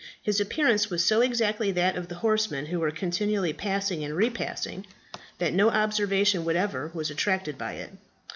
His appearance was so exactly that of the horsemen who were continually passing and repassing that no observation whatever was attracted by it.